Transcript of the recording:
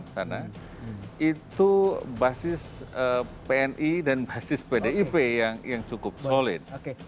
karena itu basis pni dan basis pdip yang cukup solid